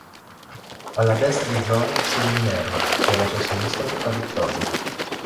Alla destra di Giove siede Minerva e alla sua sinistra la Vittoria.